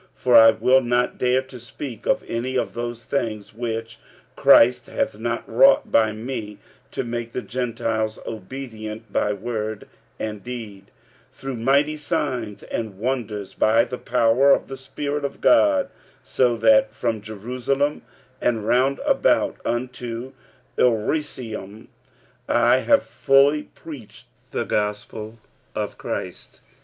45:015:018 For I will not dare to speak of any of those things which Christ hath not wrought by me, to make the Gentiles obedient, by word and deed, 45:015:019 Through mighty signs and wonders, by the power of the Spirit of God; so that from Jerusalem, and round about unto Illyricum, I have fully preached the gospel of Christ.